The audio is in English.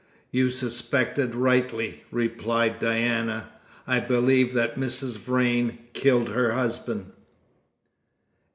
"You suspected rightly," replied Diana. "I believe that Mrs. Vrain killed her husband."